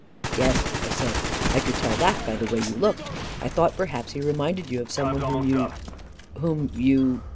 44 Yes," I said ;" I could tell that by the way you looked. I thought perhaps he reminded you of some one whom you — whom you